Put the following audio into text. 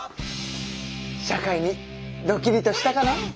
社会にドキリとしたかな？